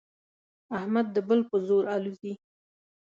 احمد د بل په زور الوزي.